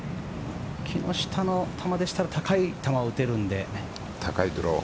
木下の球でしたら高い球を打てるので。